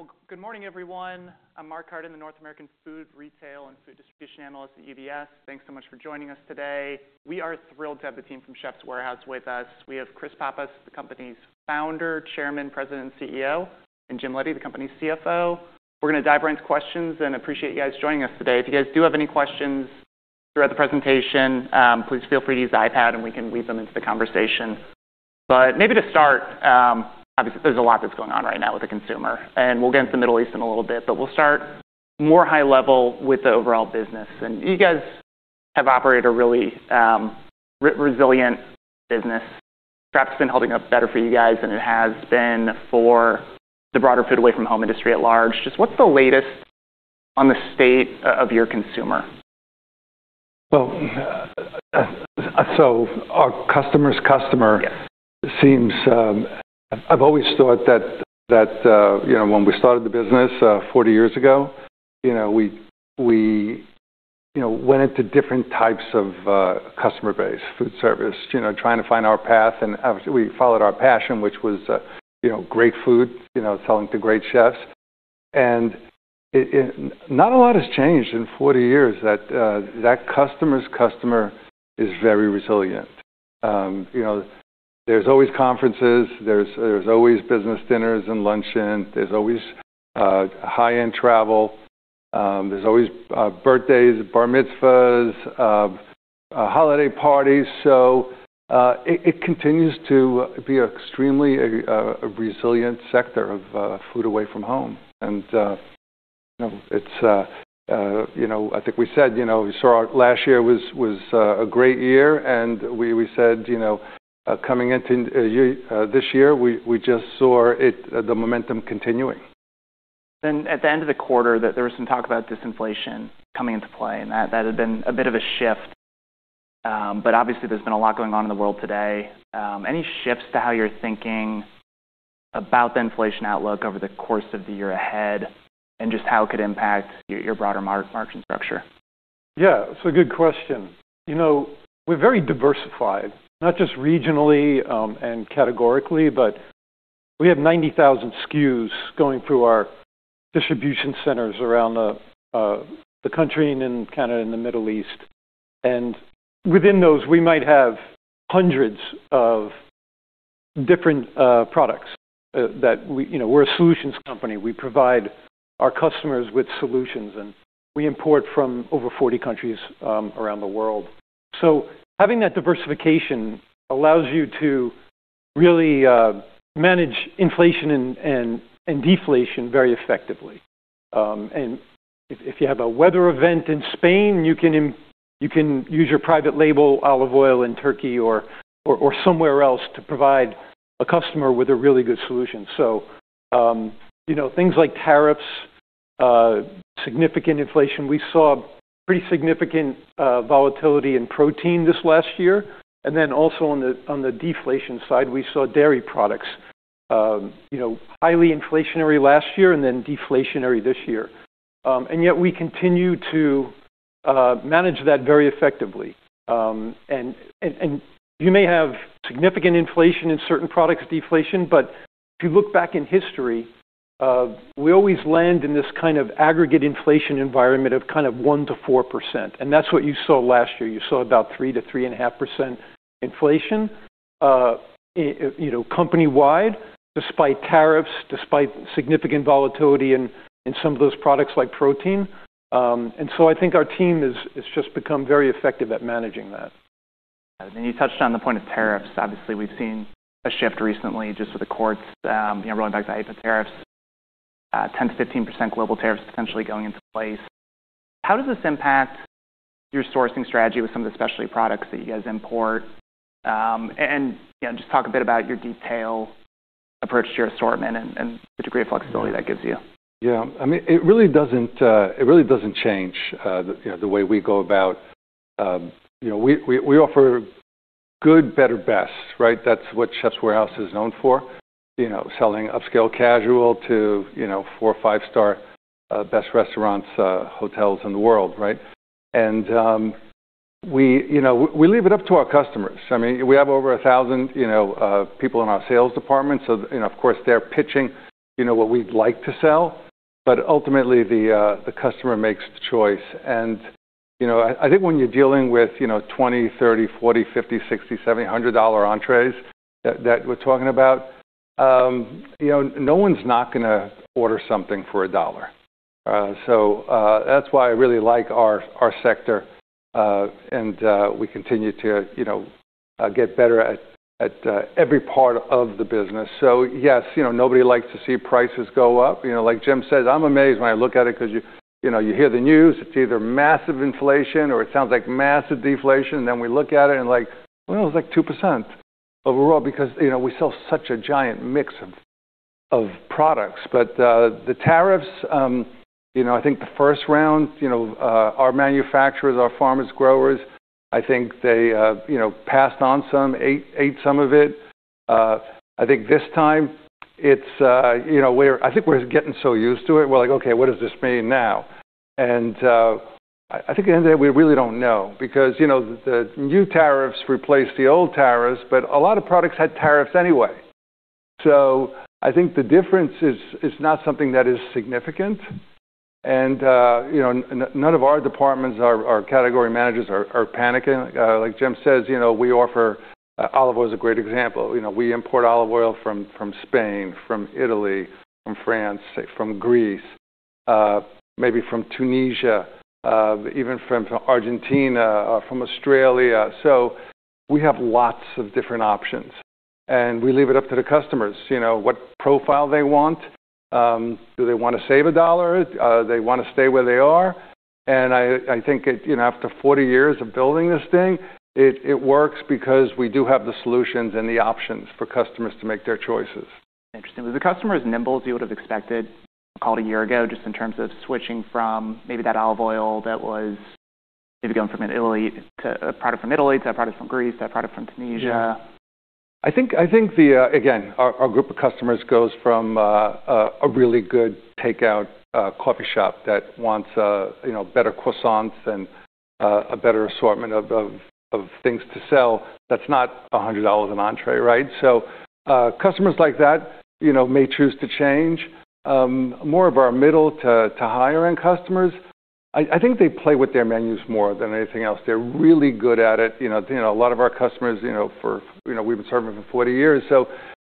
Well, good morning, everyone. I'm Mark Carden, the North American Food Retail and Food Distribution Analyst at UBS. Thanks so much for joining us today. We are thrilled to have the team from Chefs' Warehouse with us. We have Chris Pappas, the company's Founder, Chairman, President, and CEO, and Jim Leddy, the company's CFO. We're going to dive right into questions and appreciate you guys joining us today. If you guys do have any questions throughout the presentation, please feel free to use the iPad, and we can weave them into the conversation. But maybe to start, obviously, there's a lot that's going on right now with the consumer, and we'll get into the Middle East in a little bit, but we'll start more high level with the overall business. You guys have operated a really resilient business. Traffic's been holding up better for you guys than it has been for the broader food away from home industry at large. Just what's the latest on the state of your consumer? Well, our customer's customer. Yeah. I've always thought that when we started the business 40 years ago we you know went into different types of customer base food service trying to find our path. Obviously, we followed our passion, which was you know great food selling to great chefs. Not a lot has changed in 40 years. That customer's customer is very resilient. There's always conferences. There's always business dinners and luncheon. There's always high-end travel. There's always birthdays, bar mitzvahs, holiday parties. It continues to be extremely resilient sector of food away from home. It's you know. I think we said we saw last year was a great year, and we said coming into this year, we just saw the momentum continuing. At the end of the quarter, there was some talk about disinflation coming into play, and that had been a bit of a shift. But obviously, there's been a lot going on in the world today. Any shifts to how you're thinking about the inflation outlook over the course of the year ahead and just how it could impact your broader margin structure? Yeah. It's a good question. We're very diversified, not just regionally, and categorically, but we have 90,000 SKUs going through our distribution centers around the country and in Canada and the Middle East. Within those, we might have hundreds of different products. We're a solutions company. We provide our customers with solutions, and we import from over 40 countries around the world. Having that diversification allows you to really manage inflation and deflation very effectively. If you have a weather event in Spain, you can use your private label olive oil in Turkey or somewhere else to provide a customer with a really good solution. Things like tariffs, significant inflation. We saw pretty significant volatility in protein this last year. Then also on the deflation side, we saw dairy products highly inflationary last year and then deflationary this year. Yet we continue to manage that very effectively. You may have significant inflation in certain products deflation, but if you look back in history, we always land in this kind of aggregate inflation environment of kind of 1-4%, and that's what you saw last year. You saw about 3-3.5% inflation company-wide, despite tariffs, despite significant volatility in some of those products like protein. I think our team has just become very effective at managing that. You touched on the point of tariffs. Obviously, we've seen a shift recently just with the courts rolling back the IEEPA tariffs, 10%-15% global tariffs potentially going into place. How does this impact your sourcing strategy with some of the specialty products that you guys import? Just talk a bit about your detailed approach to your assortment and the degree of flexibility that gives you. Yeah. I mean, it really doesn't change you know the way we go about. We offer good, better, best, right? That's what Chefs' Warehouse is known for selling upscale casual to you know four- or five-star best restaurants, hotels in the world, right? We you know leave it up to our customers. I mean, we have over 1,000 you know people in our sales department, so of course, they're pitching you know what we'd like to sell. But ultimately, the customer makes the choice. I think when you're dealing with you know $20, $30, $40, $50, $60, $70, $100-dollar entrees that we're talking about no one's not going to order something for a dollar. That's why I really like our sector. We continue to get better at every part of the business. yes nobody likes to see prices go up. Like Jim says, I'm amazed when I look at it 'cause you hear the news, it's either massive inflation or it sounds like massive deflation. We look at it and like, well, it's like 2% overall because we sell such a giant mix of products. The tariffs I think the first round our manufacturers, our farmers, growers, I think they passed on some, ate some of it. I think this time it's I think we're getting so used to it. We're like, "Okay, what does this mean now?" I think at the end of the day, we really don't know because the new tariffs replaced the old tariffs, but a lot of products had tariffs anyway. I think the difference is not something that is significant. None of our departments, our category managers are panicking. Like Jim says we offer. Olive oil is a great example. We import olive oil from Spain, from Italy, from France, say, from Greece, maybe from Tunisia, even from Argentina, from Australia. We have lots of different options, and we leave it up to the customers what profile they want. Do they want to save a dollar? They want to stay where they are. I think it after 40 years of building this thing, it works because we do have the solutions and the options for customers to make their choices. Interesting. Were the customers as nimble as you would have expected, call it a year ago, just in terms of switching from maybe that olive oil that was maybe going from Italy to a product from Italy, to a product from Greece, to a product from Tunisia? Yeah. I think again, our group of customers goes from a really good takeout coffee shop that wants better croissants and a better assortment of things to sell that's not $100 an entrée, right? Customers like that may choose to change. More of our middle to higher end customers, I think they play with their menus more than anything else. They're really good at it. a lot of our customers we've been serving them for 40 years.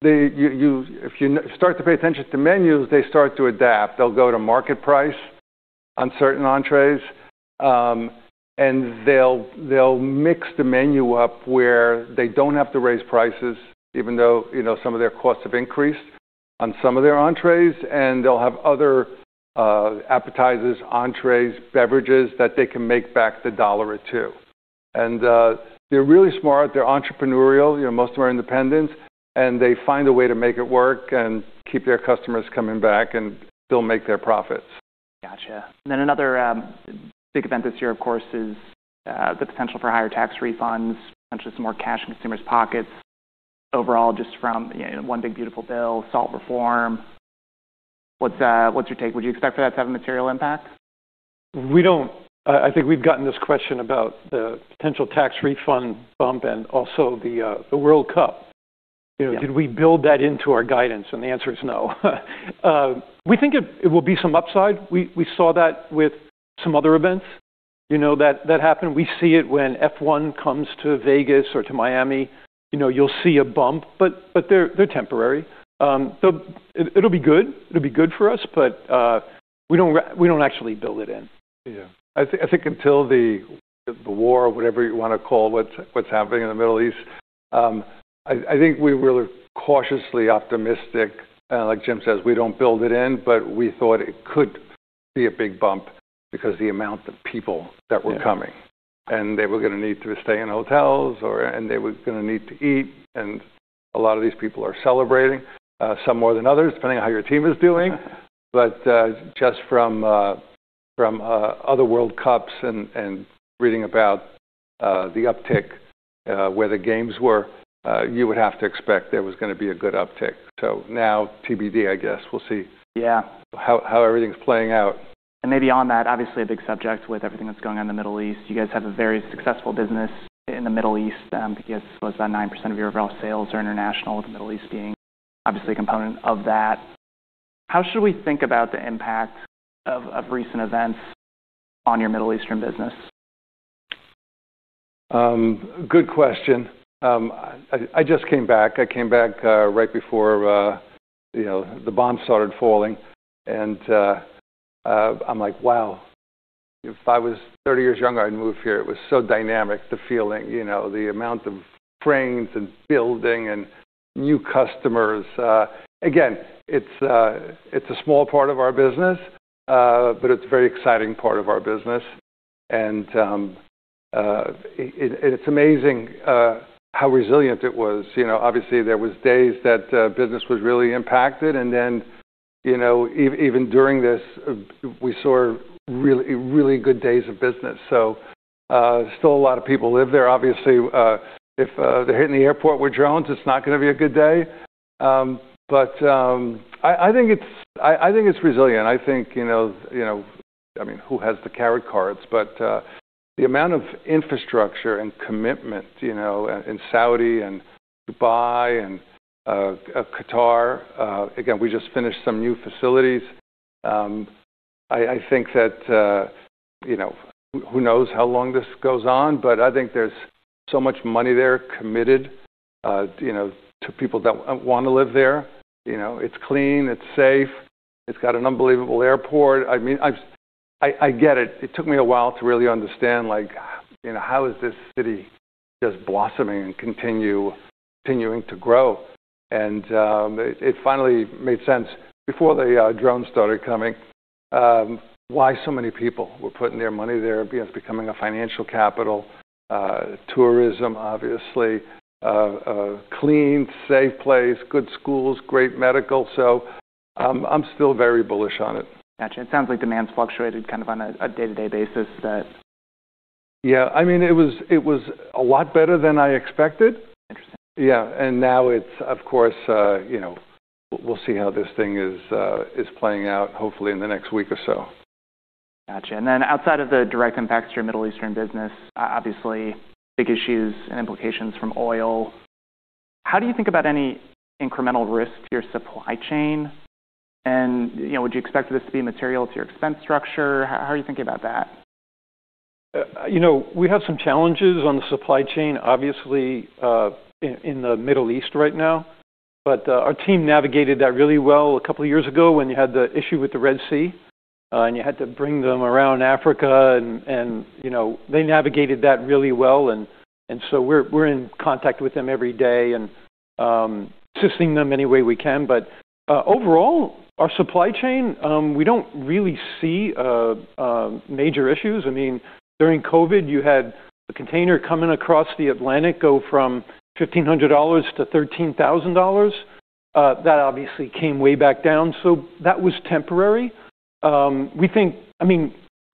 If you start to pay attention to menus, they start to adapt. They'll go to market price on certain entrees, and they'll mix the menu up where they don't have to raise prices, even though some of their costs have increased on some of their entrees. They'll have other appetizers, entrees, beverages that they can make back the $1 or $2. They're really smart. They're entrepreneurial. Most of them are independents, and they find a way to make it work and keep their customers coming back, and they'll make their profits. Got it. Another big event this year, of course, is the potential for higher tax refunds, potentially some more cash in consumers' pockets overall, just from One Big Beautiful Bill, SALT reform. What's your take? Would you expect for that to have a material impact? We don't. I think we've gotten this question about the potential tax refund bump and also the World Cup. Yeah. Did we build that into our guidance? The answer is no. We think it will be some upside. We saw that with some other events that happened. We see it when F1 comes to Vegas or to Miami. You'll see a bump, but they're temporary. It'll be good. It'll be good for us, but we don't actually build it in. Yeah. I think until the war, whatever you want to call what's happening in the Middle East, I think we were cautiously optimistic. Like Jim says, we don't build it in, but we thought it could be a big bump because the amount of people that were coming. Yeah. They were going to need to stay in hotels and they were going to need to eat. A lot of these people are celebrating, some more than others, depending on how your team is doing. Just from other World Cups and reading about the uptick where the games were, you would have to expect there was going to be a good uptick. Now TBD, I guess. We'll see. Yeah how everything's playing out. Maybe on that, obviously a big subject with everything that's going on in the Middle East. You guys have a very successful business in the Middle East. I think you guys, what, about 9% of your overall sales are international, with the Middle East being obviously a component of that. How should we think about the impact of recent events on your Middle Eastern business? Good question. I just came back. I came back right before the bombs started falling. I'm like, "Wow, if I was 30 years younger, I'd move here." It was so dynamic, the feeling the amount of cranes and building and new customers. Again, it's a small part of our business, but it's a very exciting part of our business. It's amazing how resilient it was. Obviously, there was days that business was really impacted. then even during this, we saw really good days of business. Still a lot of people live there. Obviously, if they're hitting the airport with drones, it's not going to be a good day. I think it's resilient. Who has the crystal ball? The amount of infrastructure and commitment in Saudi and Dubai and Qatar, again, we just finished some new facilities. I think that who knows how long this goes on, but I think there's so much money there committed to people that want to live there. It's clean, it's safe, it's got an unbelievable airport. I get it. It took me a while to really understand, like how is this city just blossoming and continuing to grow. It finally made sense before the drones started coming, why so many people were putting their money there. It's becoming a financial capital, tourism, obviously, clean, safe place, good schools, great medical. So, I'm still very bullish on it. Got it. It sounds like demand's fluctuated kind of on a day-to-day basis that. Yeah. it was a lot better than I expected. Interesting. Yeah. Now it's of course we'll see how this thing is playing out hopefully in the next week or so. Got it. Outside of the direct impact to your Middle Eastern business, obviously big issues and implications from oil. How do you think about any incremental risk to your supply chain? Would you expect this to be material to your expense structure? How are you thinking about that? We have some challenges on the supply chain, obviously, in the Middle East right now. Our team navigated that really well a couple years ago when you had the issue with the Red Sea, and you had to bring them around Africa, they navigated that really well, and so we're in contact with them every day and assisting them any way we can. Overall, our supply chain, we don't really see major issues. During COVID, you had a container coming across the Atlantic go from $1,500-$13,000. That obviously came way back down, so that was temporary. We think.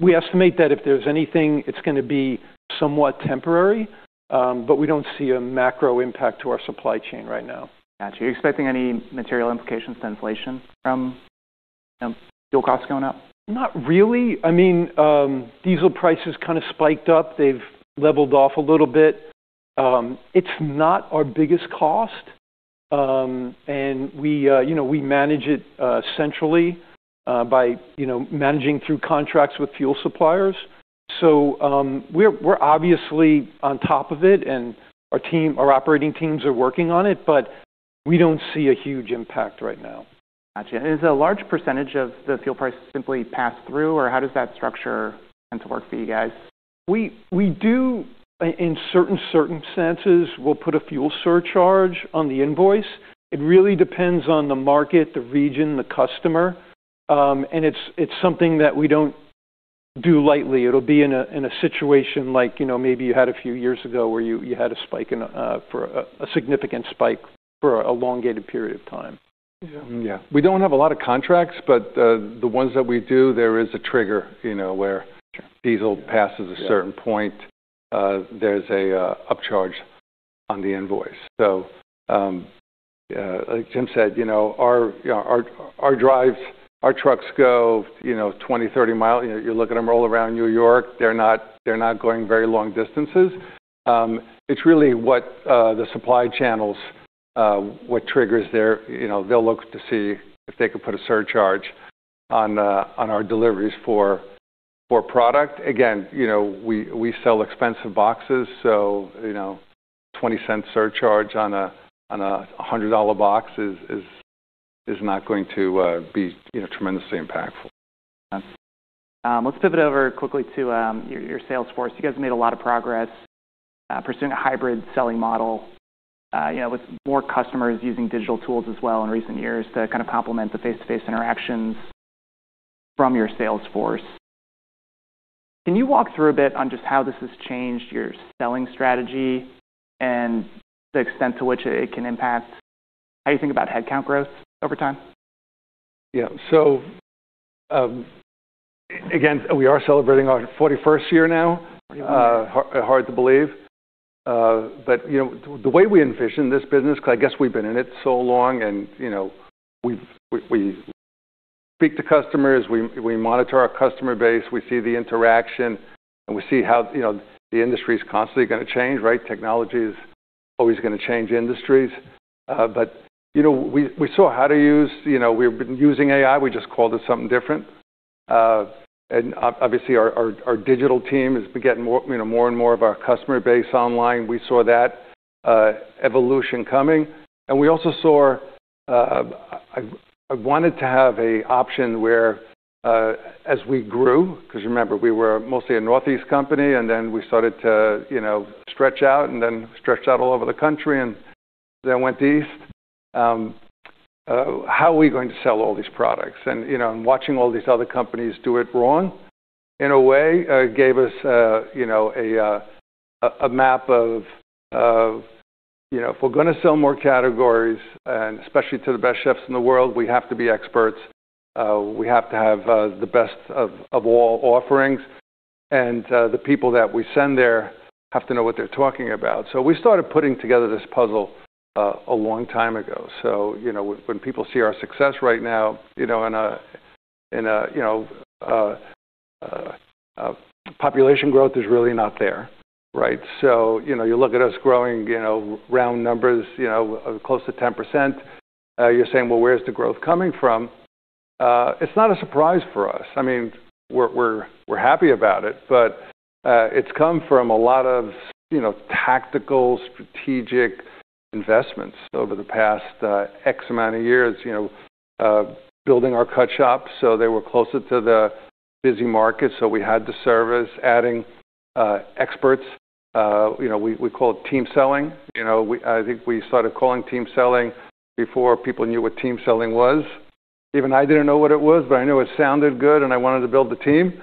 We estimate that if there's anything, it's going to be somewhat temporary, but we don't see a macro impact to our supply chain right now. Got it. Are you expecting any material implications to inflation from fuel costs going up? Not really. Diesel prices kind of spiked up. They've leveled off a little bit. It's not our biggest cost, and we we manage it, centrally, by managing through contracts with fuel suppliers. We're obviously on top of it, and our team, our operating teams are working on it, but we don't see a huge impact right now. Got it. Is a large percentage of the fuel prices simply passed through, or how does that structure tend to work for you guys? We do in certain circumstances we'll put a fuel surcharge on the invoice. It really depends on the market, the region, the customer. It's something that we don't do lightly. It'll be in a situation like maybe you had a few years ago where you had a significant spike for an elongated period of time. Yeah. Yeah. We don't have a lot of contracts, but the ones that we do, there is a trigger where Sure. Diesel passes a certain point, there's an upcharge on the invoice. Like Jim said our drivers, our trucks go 20-30 miles. You're looking to roll around New York, they're not going very long distances. It's really what the supply chains what triggers their. They'll look to see if they could put a surcharge on our deliveries for product. again we sell expensive boxes, so 20-cent surcharge on a $100 box is not going to be tremendously impactful. Got it. Let's pivot over quickly to your sales force. You guys have made a lot of progress pursuing a hybrid selling model with more customers using digital tools as well in recent years to kind of complement the face-to-face interactions from your sales force. Can you walk through a bit on just how this has changed your selling strategy and the extent to which it can impact how you think about headcount growth over time? Yeah. Again, we are celebrating our 41st year now. Forty-first. Hard to believe. The way we envision this business, 'cause I guess we've been in it so long and we speak to customers, we monitor our customer base, we see the interaction, and we see how the industry is constantly going to change, right? Technology is always going to change industries. we saw how to use. we've been using AI, we just called it something different. Obviously, our digital team has been getting more more and more of our customer base online. We saw that evolution coming. We also saw I wanted to have an option where as we grew, 'cause remember, we were mostly a Northeast company, and then we started to stretch out all over the country and then went east. How are we going to sell all these products? Watching all these other companies do it wrong, in a way, gave us you know a map of you know if we're going to sell more categories, and especially to the best chefs in the world, we have to be experts. We have to have the best of all offerings. The people that we send there have to know what they're talking about. We started putting together this puzzle a long time ago. when people see our success right now in a population growth is really not there, right? You look at us growing round numbers close to 10%, you're saying: Well, where's the growth coming from? It's not a surprise for us. I mean, we're happy about it, but it's come from a lot of tactical, strategic investments over the past a amount of years building our cut shops, so they were closer to the busy markets, so we had the service, adding experts. We call it team selling. I think we started calling team selling before people knew what team selling was. Even I didn't know what it was, but I knew it sounded good, and I wanted to build the team.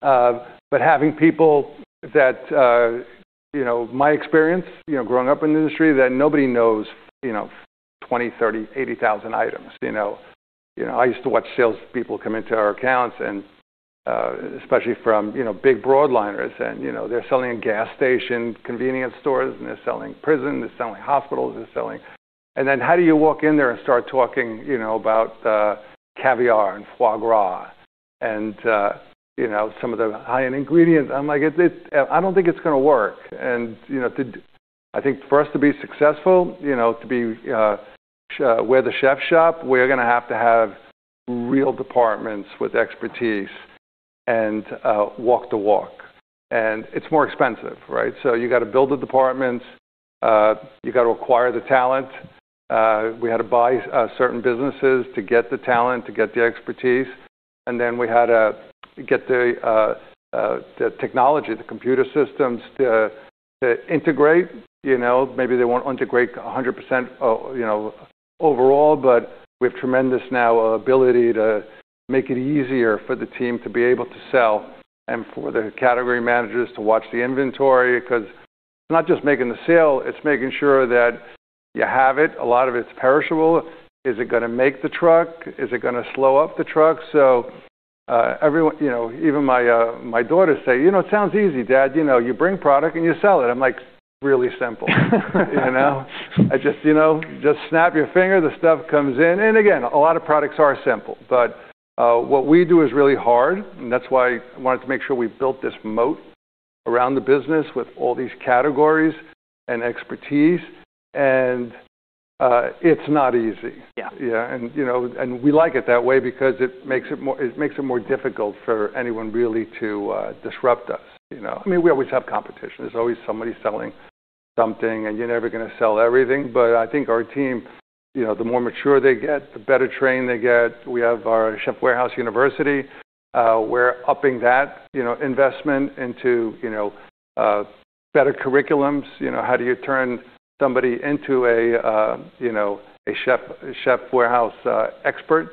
But having people that my experience growing up in the industry that nobody knows 20, 30, 80,000 items, you know. I used to watch salespeople come into our accounts and, especially from big broadliners and they're selling gas stations, convenience stores, and they're selling prisons, they're selling hospitals, they're selling. How do you walk in there and start talking about caviar and foie gras and some of the high-end ingredients. I'm like, it's. I don't think it's going to work. I think for us to be successful to be, we're the chef shop, we're going to have to have real departments with expertise and walk the walk. It's more expensive, right? You gotta build the departments, you gotta acquire the talent. We had to buy certain businesses to get the talent, to get the expertise, and then we had to get the technology, the computer systems to integrate. Maybe they won't integrate 100% overall, but we have tremendous new ability to make it easier for the team to be able to sell and for the category managers to watch the inventory 'cause it's not just making the sale, it's making sure that you have it. A lot of it's perishable. Is it going to make the truck? Is it going to slow up the truck? everyone even my daughter say, " it sounds easy, Dad. You bring product and you sell it." I'm like, "Really simple." You know?just snap your finger, the stuff comes in. Again, a lot of products are simple, but what we do is really hard, and that's why I wanted to make sure we built this moat around the business with all these categories and expertise and, it's not easy. Yeah. Yeah. We like it that way because it makes it more difficult for anyone really to disrupt us, you know. I mean, we always have competition. There's always somebody selling something, and you're never going to sell everything. I think our team the more mature they get, the better trained they get. We have our Chefs' Warehouse University, we're upping that investment into better curriculums. how do you turn somebody into a chef, a Chefs' Warehouse expert?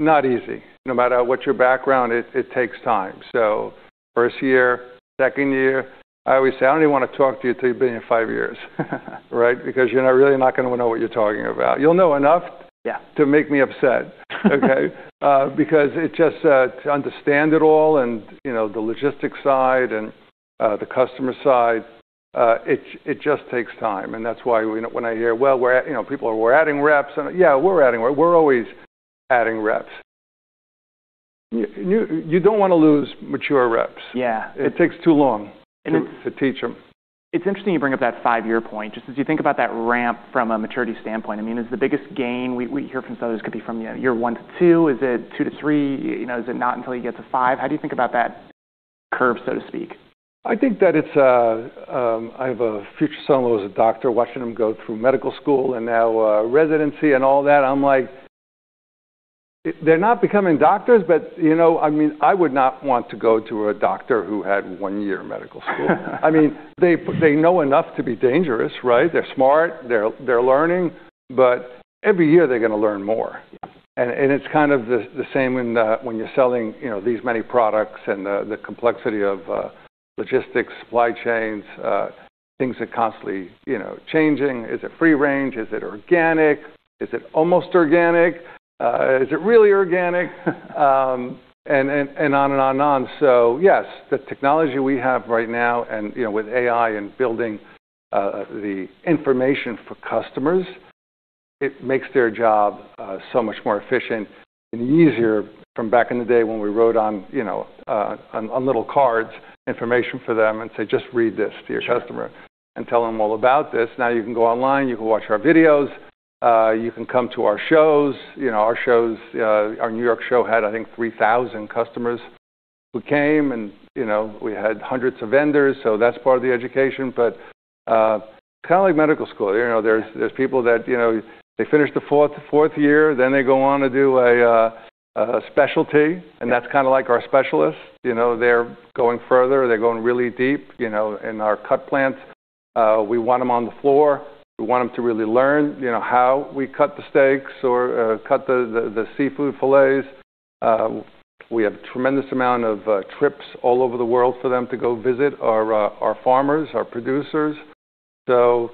Not easy. No matter what your background, it takes time. First year, second year, I always say, "I don't even want to talk to you till you've been here five years." Right. Because you're not really not going to know what you're talking about. You'll know enough. Yeah. To make me upset. Okay? Because it just takes time to understand it all and the logistics side and the customer side. That's why when I hear people are, "We're adding reps," and yeah, we're adding reps. We're always adding reps. You don't want to lose mature reps. Yeah. It takes too long to teach them. It's interesting you bring up that 5-year point, just as you think about that ramp from a maturity standpoint. I mean, is the biggest gain we hear from sellers could be from year 1-2? Is it 2-3? Is it not until you get to 5? How do you think about that curve, so to speak? I have a future son-in-law who's a doctor. Watching him go through medical school and now residency and all that, I'm like, they're not becoming doctors. I would not want to go to a doctor who had one year of medical school. I mean, they know enough to be dangerous, right? They're smart, they're learning, but every year they're going to learn more. Yeah. It's kind of the same when you're selling these many products and the complexity of logistics, supply chains, things are constantly changing. Is it free range? Is it organic? Is it almost organic? Is it really organic? And on. Yes, the technology we have right now and with AI and building the information for customers, it makes their job so much more efficient and easier from back in the day when we wrote on on little cards information for them and say, "Just read this to your customer Sure. Tell them all about this. Now you can go online, you can watch our videos, you can come to our shows. Our shows, our New York show had I think 3,000 customers who came and we had hundreds of vendors, so that's part of the education. But, kinda like medical school there's Yeah. There's people that they finish the fourth year, then they go on to do a specialty. Yeah. That's kinda like our specialists. They're going further, they're going really deep, you know. In our cut plants, we want them on the floor. We want them to really learn how we cut the steaks or cut the seafood filets. We have tremendous amount of trips all over the world for them to go visit our farmers, our producers. I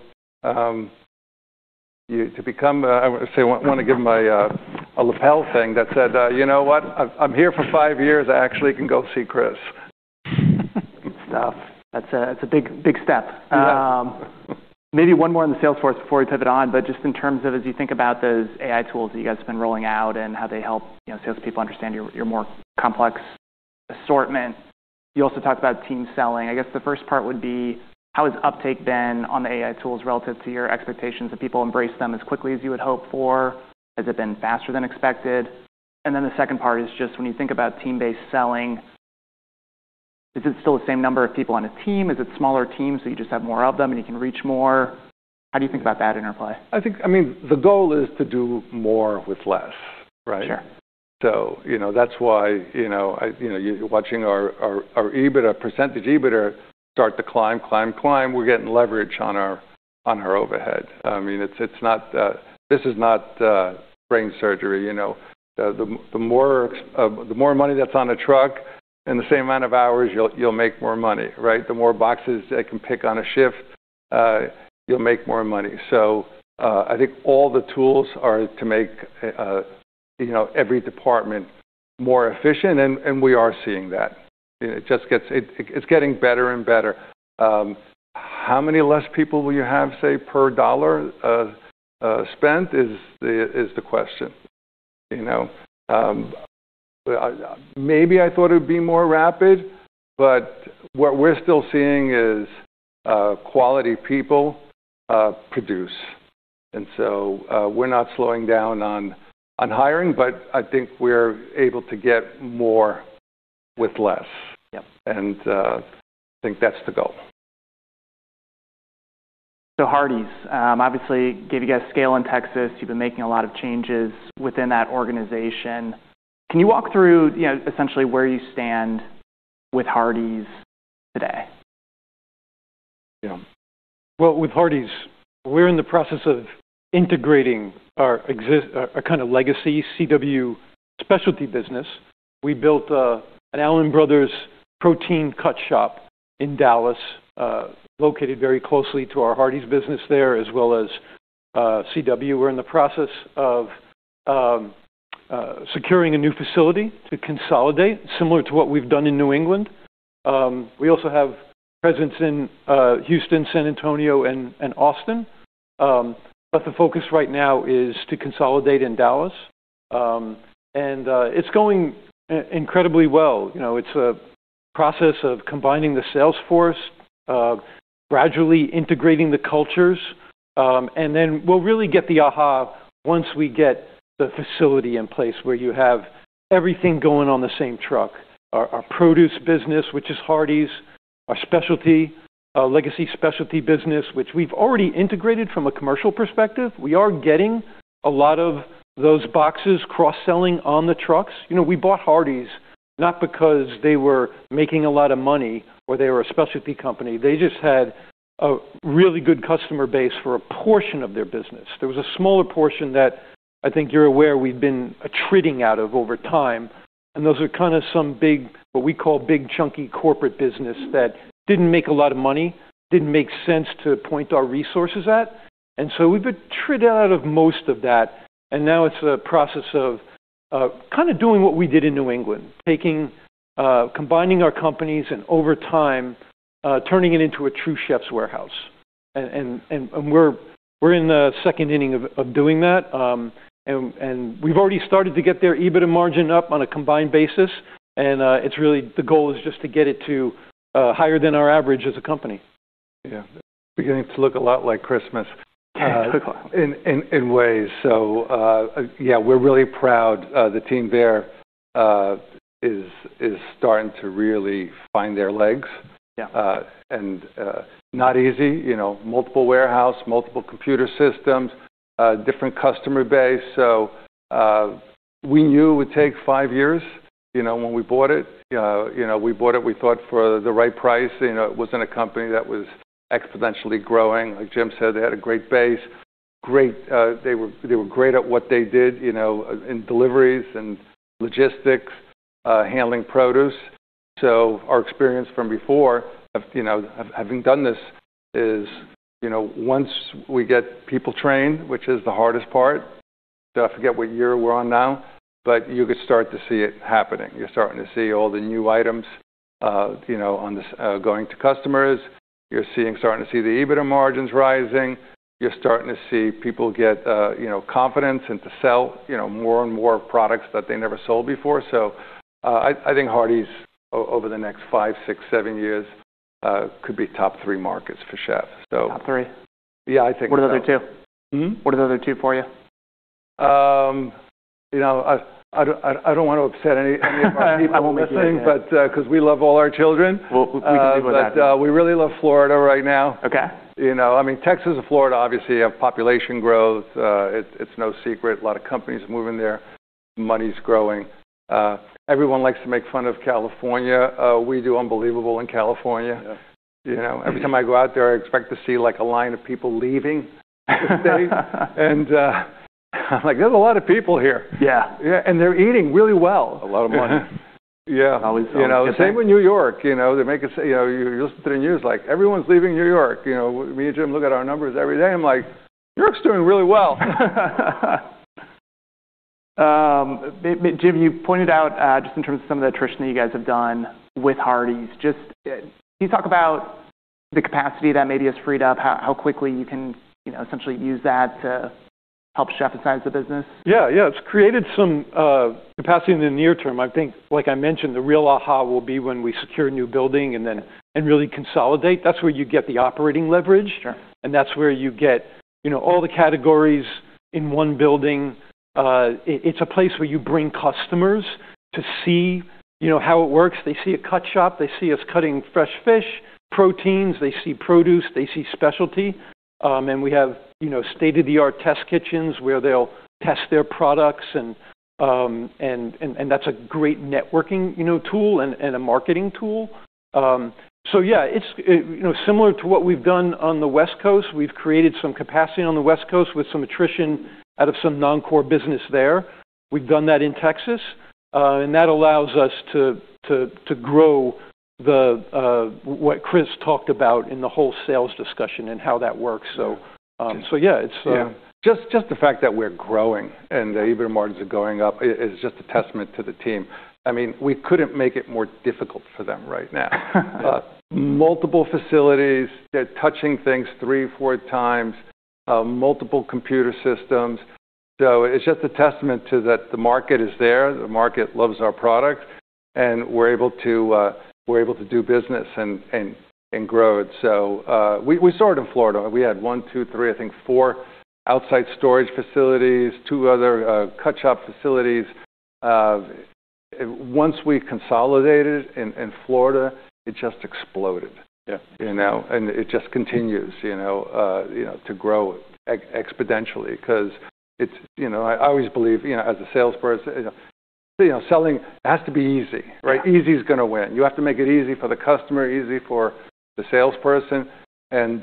say, want to give them a lapel thing that said, "You know what? I'm here for five years. I actually can go see Chris. Good stuff. That's a big step. Yeah. Maybe one more on the sales force before we pivot on, but just in terms of as you think about those AI tools that you guys have been rolling out and how they help salespeople understand your more complex assortment. You also talked about team selling. I guess the first part would be, how has uptake been on the AI tools relative to your expectations? Have people embraced them as quickly as you had hoped for? Has it been faster than expected? The second part is just when you think about team-based selling, is it still the same number of people on a team? Is it smaller teams, so you just have more of them and you can reach more? How do you think about that interplay? I mean, the goal is to do more with less, right? Sure. That's why you're watching our EBITDA percentage EBITDA start to climb. We're getting leverage on our overhead. I mean, this is not brain surgery, you know. The more money that's on a truck in the same amount of hours, you'll make more money, right? The more boxes they can pick on a shift, you'll make more money. I think all the tools are to make every department more efficient, and we are seeing that. It's getting better and better. How many less people will you have, say, per dollar spent is the question, you know? Maybe I thought it would be more rapid, but what we're still seeing is quality people produce. We're not slowing down on hiring, but I think we're able to get more with less. Yes. I think that's the goal. Hardie's obviously gave you guys scale in Texas. You've been making a lot of changes within that organization. Can you walk through essentially where you stand with Hardie's today? Yeah. Well, with Hardie's, we're in the process of integrating a kind of legacy CW specialty business. We built an Allen Brothers protein cut shop in Dallas, located very closely to our Hardie's business there, as well as CW. We're in the process of securing a new facility to consolidate, similar to what we've done in New England. We also have presence in Houston, San Antonio, and Austin. The focus right now is to consolidate in Dallas. It's going incredibly well. It's a process of combining the sales force, gradually integrating the cultures. We'll really get the aha once we get the facility in place, where you have everything going on the same truck. Our produce business, which is Hardie's, our specialty, legacy specialty business, which we've already integrated from a commercial perspective. We are getting a lot of those boxes cross-selling on the trucks. We bought Hardie's not because they were making a lot of money or they were a specialty company. They just had a really good customer base for a portion of their business. There was a smaller portion that I think you're aware we've been attriting out of over time, and those are kinda some big, what we call big chunky corporate business that didn't make a lot of money, didn't make sense to point our resources at. We've been tried out of most of that, and now it's a process of kinda doing what we did in New England, taking combining our companies, and over time turning it into a true The Chefs' Warehouse. We're in the second inning of doing that. We've already started to get their EBITDA margin up on a combined basis. It's really the goal is just to get it to higher than our average as a company. Yeah. Beginning to look a lot like Christmas. Yeah, quick one. in ways. Yeah, we're really proud. The team there is starting to really find their legs. Yeah. Not easy. Multiple warehouse, multiple computer systems, different customer base. We knew it would take five years when we bought it. We bought it, we thought for the right price. It wasn't a company that was exponentially growing. Like Jim Leddy said, they had a great base, great. They were great at what they did in deliveries and logistics, handling produce. Our experience from before of of having done this is once we get people trained, which is the hardest part, I forget what year we're on now, but you could start to see it happening. You're starting to see all the new items on this, going to customers. You're starting to see the EBITDA margins rising. You're starting to see people get confidence and to sell more and more products that they never sold before. I think Hardie's over the next five, six, seven years could be top three markets for Chefs'. Top three? Yeah, I think so. What are the other two? Hmm? What are the other two for you? I don't want to upset any of our people listening. I won't begin. 'Cause we love all our children. Well, we can leave all that. We really love Florida right now. Okay. I mean, Texas and Florida obviously have population growth. It's no secret. A lot of companies moving there. Money's growing. Everyone likes to make fun of California. We do unbelievable in California. Yeah. every time I go out there, I expect to see, like, a line of people leaving the state. Like, there's a lot of people here. Yeah. Yeah, they're eating really well. A lot of money. Yeah. Always. The same with New York. They make it sound. You listen to the news like, "Everyone's leaving New York." me and Jim look at our numbers every day and I'm like, "New York's doing really well. Jim, you pointed out just in terms of some of the attrition that you guys have done with Hardie's. Just, can you talk about the capacity that maybe has freed up, how quickly you can essentially use that to help Chef inside the business? Yeah, It's created some capacity in the near term. I think, like I mentioned, the real aha will be when we secure a new building and then really consolidate. That's where you get the operating leverage. Sure. That's where you get all the categories in one building. It's a place where you bring customers to see how it works. They see a cut shop. They see us cutting fresh fish, proteins. They see produce. They see specialty. We have state-of-the-art test kitchens where they'll test their products and that's a great networking tool and a marketing tool. Yeah, it's similar to what we've done on the West Coast. We've created some capacity on the West Coast with some attrition out of some non-core business there. We've done that in Texas, and that allows us to grow the what Chris talked about in the whole sales discussion and how that works. Yeah, it's Yeah. Just the fact that we're growing and the EBITDA margins are going up is just a testament to the team. I mean, we couldn't make it more difficult for them right now. Multiple facilities. They're touching things 3, 4 times. Multiple computer systems. It's just a testament to that the market is there, the market loves our products, and we're able to do business and grow it. We started in Florida. We had 1, 2, 3, I think 4 outside storage facilities, 2 other cut shop facilities. Once we consolidated in Florida, it just exploded. Yeah. You know? It just know to grow exponentially 'cause it's. I always believe as a salesperson selling has to be easy, right? Yeah. Easy is going to win. You have to make it easy for the customer, easy for the salesperson. Once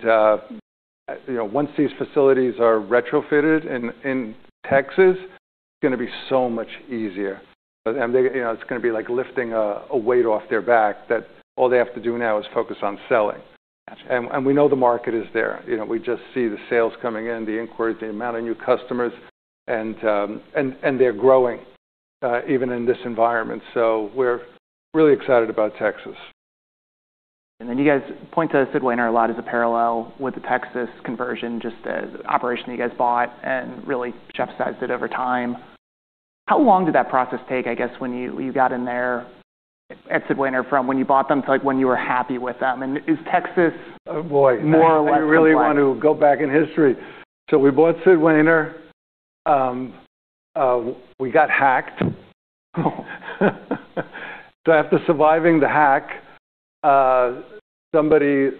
these facilities are retrofitted in Texas, it's going to be so much easier. it's going to be like lifting a weight off their back that all they have to do now is focus on selling. Got it. We know the market is there. We just see the sales coming in, the inquiries, the amount of new customers, and they're growing even in this environment. We're really excited about Texas. You guys point to Sid Wainer a lot as a parallel with the Texas conversion, just the operation that you guys bought and really chef sized it over time. How long did that process take, I guess, when you got in there at Sid Wainer from when you bought them to, like, when you were happy with them? Is Texas- Boy. More or less complex? You really want to go back in history. We bought Sid Wainer & Son. We got hacked.. After surviving the hack, somebody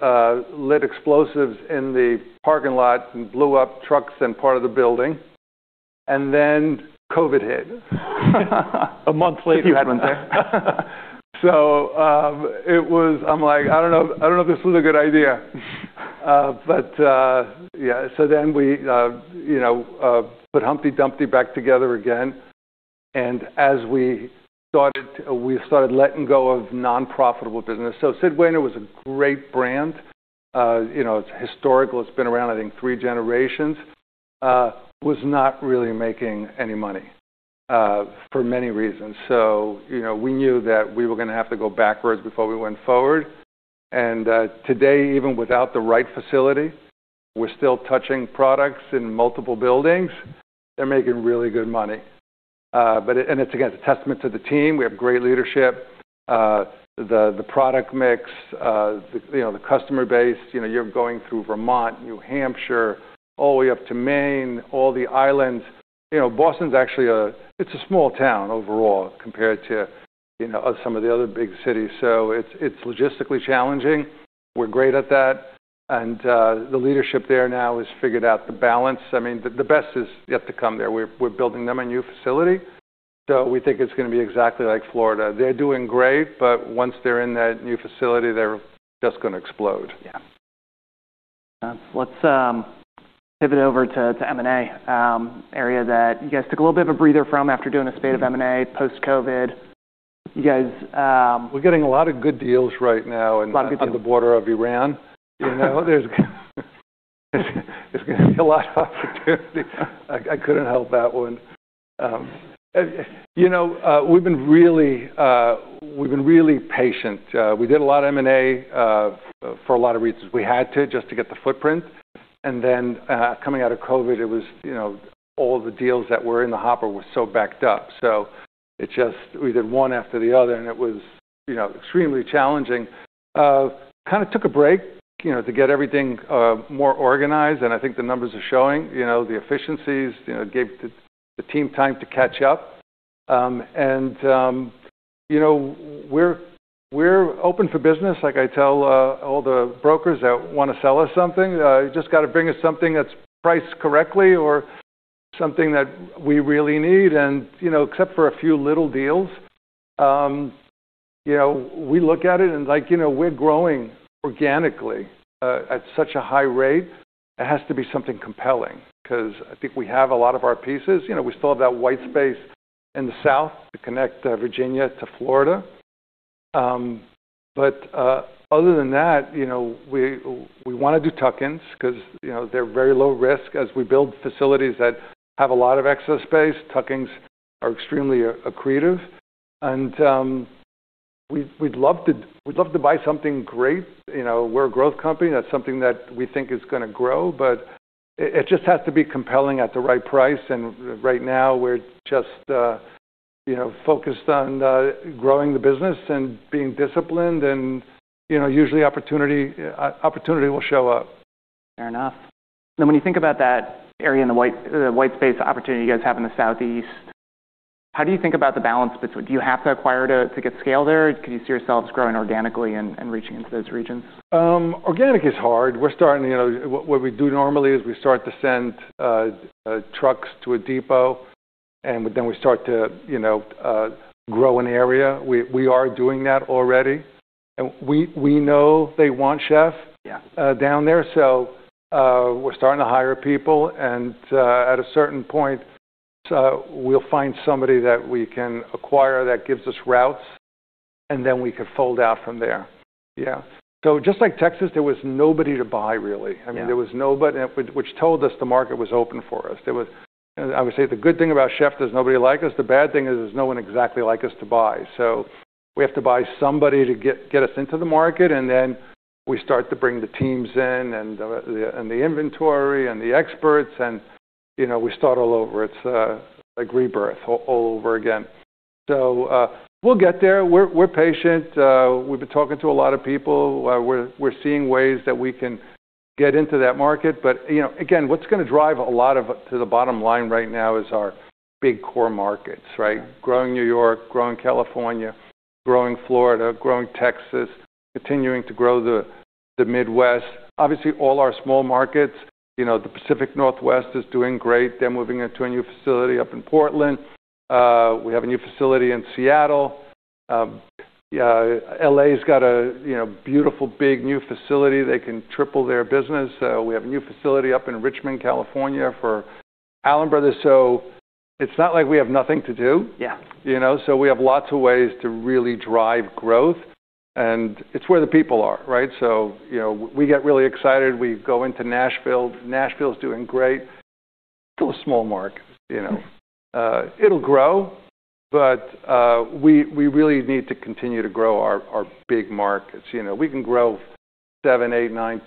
lit explosives in the parking lot and blew up trucks and part of the building, and then COVID hit. A month later. It was. I'm like, "I don't know, I don't know if this was a good idea." Yeah. we put Humpty Dumpty back together again. We started letting go of non-profitable business. Sid Wainer & Son was a great brand. It's historical. It's been around, I think, three generations. It was not really making any money for many reasons. We knew that we were going to have to go backwards before we went forward. Today, even without the right facility, we're still touching products in multiple buildings. They're making really good money. It's, again, a testament to the team. We have great leadership. The product mix, the the customer base. You're going through Vermont, New Hampshire, all the way up to Maine, all the islands. Boston's actually a it's a small town overall compared to some of the other big cities. It's logistically challenging. We're great at that. The leadership there now has figured out the balance. I mean, the best is yet to come there. We're building them a new facility, so we think it's going to be exactly like Florida. They're doing great, but once they're in that new facility, they're just going to explode. Yeah. Let's pivot over to M&A, area that you guys took a little bit of a breather from after doing a spate of M&A post-COVID. You guys We're getting a lot of good deals right now. A lot of good deals. On the border of Iran. There's going to be a lot of opportunity. I couldn't help that one.. We've been really patient. We did a lot of M&A for a lot of reasons. We had to just to get the footprint. Then, coming out of COVID, it was all the deals that were in the hopper were so backed up, so it just we did one after the other, and it was extremely challenging. Kind of took a break to get everything more organized, and I think the numbers are showing. the efficiencies gave the team time to catch up. We're open for business. Like I tell all the brokers that want to sell us something, you just gotta bring us something that's priced correctly or something that we really need. Except for a few little deals we look at it and, like we're growing organically at such a high rate. It has to be something compelling, 'cause I think we have a lot of our pieces. We still have that white space in the South to connect Virginia to Florida. Other than that we want to do tuck-ins 'cause they're very low risk. As we build facilities that have a lot of excess space, tuck-ins are extremely accretive. We'd love to buy something great. We're a growth company. That's something that we think is going to grow, but it just has to be compelling at the right price. Right now we're just focused on growing the business and being disciplined and usually opportunity will show up. Fair enough. Now, when you think about that area in the white space opportunity you guys have in the Southeast, how do you think about the balance between. Do you have to acquire to get scale there? Can you see yourselves growing organically and reaching into those regions? Organic is hard. We're starting what we do normally is we start to send trucks to a depot, and then we start to grow an area. We are doing that already and we know they want Chef- Yeah Down there. We're starting to hire people, and at a certain point, we'll find somebody that we can acquire that gives us routes, and then we can roll out from there. Yeah. Just like Texas, there was nobody to buy, really. Yeah. I mean, there was nobody which told us the market was open for us. There was I would say the good thing about Chef, there's nobody like us. The bad thing is there's no one exactly like us to buy. We have to buy somebody to get us into the market, and then we start to bring the teams in and the inventory and the experts and we start all over. It's like rebirth all over again. We'll get there. We're patient. We've been talking to a lot of people. We're seeing ways that we can get into that market. Again, what's going to drive a lot of it to the bottom line right now is our big core markets, right? Yeah. Growing New York, growing California, growing Florida, growing Texas, continuing to grow the Midwest. Obviously, all our small markets the Pacific Northwest is doing great. They're moving into a new facility up in Portland. We have a new facility in Seattle. L.A.'s got a beautiful, big, new facility. They can triple their business. We have a new facility up in Richmond, California, for Allen Brothers. It's not like we have nothing to do. Yeah. You know? We have lots of ways to really drive growth, and it's where the people are, right? We get really excited. We go into Nashville. Nashville's doing great. Still a small market, you know. It'll grow, but we really need to continue to grow our big markets. We can grow 7, 8, 9,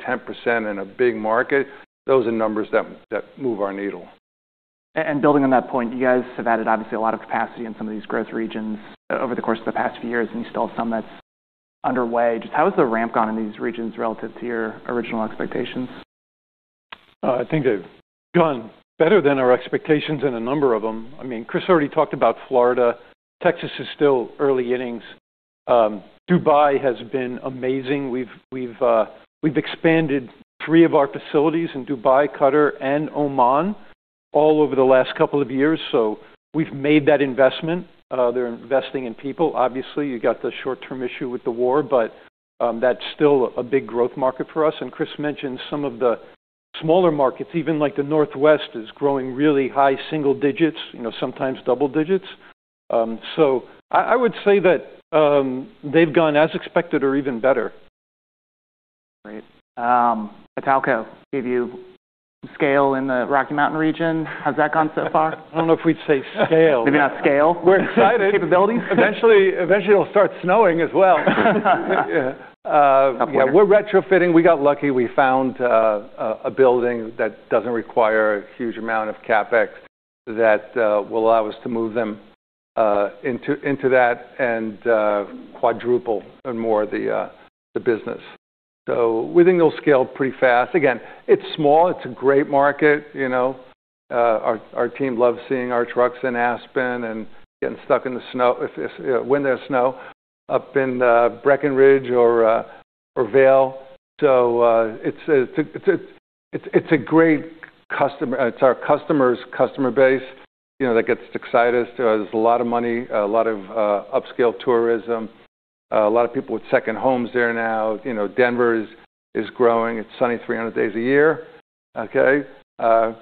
10% in a big market. Those are numbers that move our needle. Building on that point, you guys have added obviously a lot of capacity in some of these growth regions over the course of the past few years, and you still have some that's underway. Just how has the ramp gone in these regions relative to your original expectations? I think they've done better than our expectations in a number of them. I mean, Chris already talked about Florida. Texas is still early innings. Dubai has been amazing. We've expanded three of our facilities in Dubai, Qatar, and Oman all over the last couple of years, so we've made that investment. They're investing in people. Obviously, you got the short-term issue with the war, but that's still a big growth market for us. Chris mentioned some of the smaller markets, even like the Northwest is growing really high single digits sometimes double digits. I would say that they've gone as expected or even better. Great. Italco gave you scale in the Rocky Mountain region. How's that gone so far? I don't know if we'd say scale. Maybe not scale. We're excited. Capabilities? Eventually it'll start snowing as well. Yeah, we're retrofitting. We got lucky. We found a building that doesn't require a huge amount of CapEx that will allow us to move them into that and quadruple or more the business. We think it'll scale pretty fast. Again, it's small. It's a great market, you know. Our team loves seeing our trucks in Aspen and getting stuck in the snow when there's snow up in Breckenridge or Vail. It's a great customer. It's our customers' customer base that gets us excited. There's a lot of money, a lot of upscale tourism, a lot of people with second homes there now. Denver is growing. It's sunny 300 days a year, okay?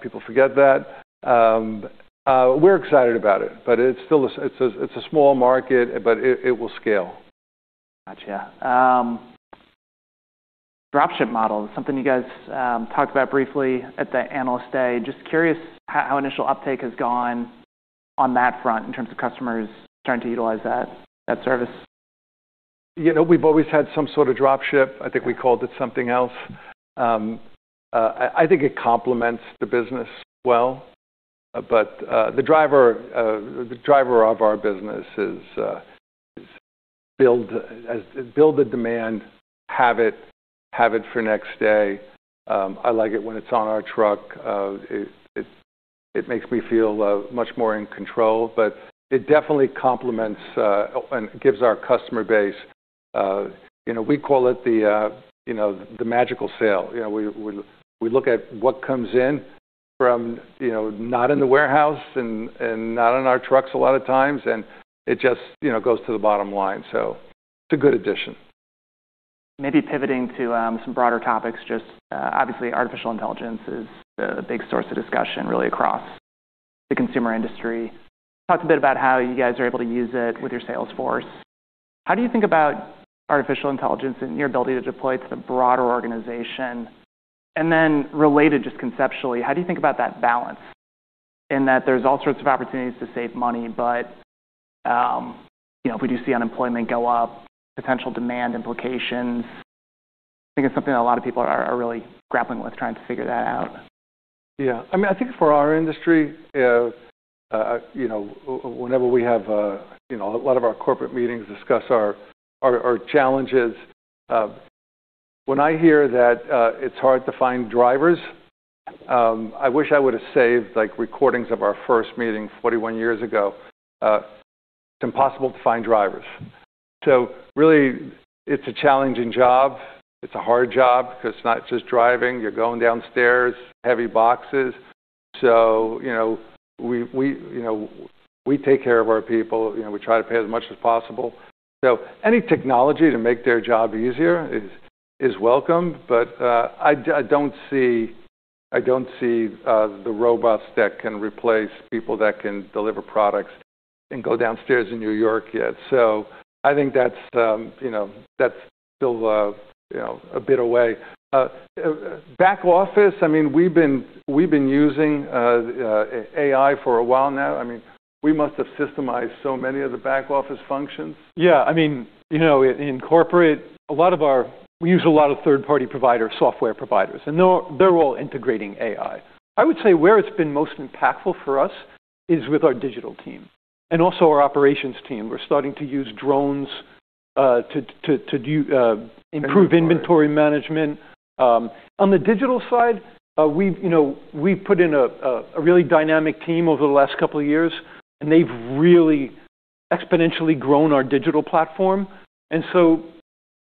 People forget that. We're excited about it, but it's still a small market, but it will scale. Got it. Drop ship model is something you guys talked about briefly at the Analyst Day. Just curious how initial uptake has gone on that front in terms of customers starting to utilize that service. We've always had some sort of drop ship. I think we called it something else. I think it complements the business well. The driver of our business is to build the demand, have it for next day. I like it when it's on our truck. It makes me feel much more in control. It definitely complements and gives our customer base. We call it the the magical sale. We look at what comes in from not in the warehouse and not on our trucks a lot of times, and it just goes to the bottom line. It's a good addition. Maybe pivoting to some broader topics, just obviously artificial intelligence is a big source of discussion really across the consumer industry. Talked a bit about how you guys are able to use it with your sales force. How do you think about artificial intelligence and your ability to deploy to the broader organization? Related just conceptually, how do you think about that balance in that there's all sorts of opportunities to save money. We do see unemployment go up, potential demand implications. I think it's something that a lot of people are really grappling with trying to figure that out. Yeah. I mean, I think for our industry whenever we have a lot of our corporate meetings discuss our challenges. When I hear that, it's hard to find drivers. I wish I would've saved, like, recordings of our first meeting 41 years ago. It's impossible to find drivers. Really, it's a challenging job. It's a hard job because it's not just driving. You're going downstairs, heavy boxes. We take care of our people. We try to pay as much as possible. Any technology to make their job easier is welcome. I don't see the robots that can replace people that can deliver products and go downstairs in New York yet. I think that's that's still a bit away. Back office, I mean, we've been using AI for a while now. I mean, we must have systemized so many of the back office functions. Yeah. I mean in corporate, we use a lot of third-party provider, software providers, and they're all integrating AI. I would say where it's been most impactful for us is with our digital team and also our operations team. We're starting to use drones to improve inventory management. On the digital side we've put in a really dynamic team over the last couple of years, and they've really exponentially grown our digital platform.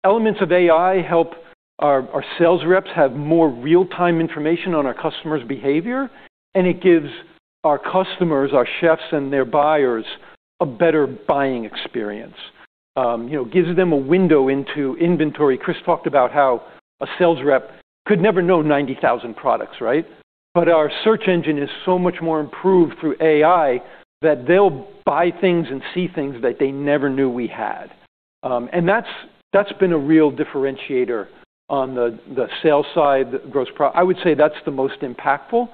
Elements of AI help our sales reps have more real-time information on our customers' behavior, and it gives our customers, our chefs and their buyers a better buying experience. Gives them a window into inventory. Chris talked about how a sales rep could never know 90,000 products, right? Our search engine is so much more improved through AI that they'll buy things and see things that they never knew we had. That's been a real differentiator on the sales side. I would say that's the most impactful.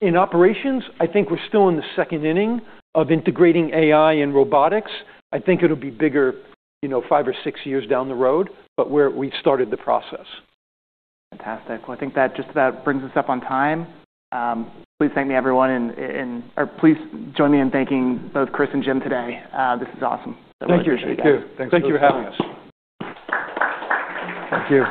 In operations, I think we're still in the second inning of integrating AI and robotics. I think it'll be bigger five or six years down the road, but we've started the process. Fantastic. Well, I think that just about brings us up on time. Please join me in thanking both Chris and Jim today. This is awesome. Thank you. Thank you. Thanks for having us. Thank you for having us. Thank you.